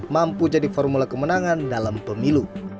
mampu jadi formula kemenangan dalam pemilu